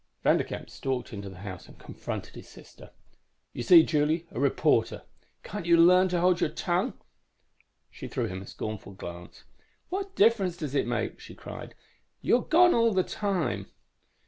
Vanderkamp stalked into the house and confronted his sister. "You see, Julie a reporter. Can't you learn to hold your tongue?" _She threw him a scornful glance. "What difference does it make?" she cried. "You're gone all the time."